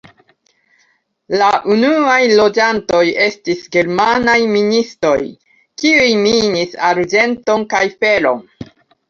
La unuaj loĝantoj estis germanaj ministoj, kiuj minis arĝenton kaj feron.